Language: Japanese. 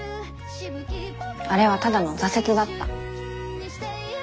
あれはただの挫折だった。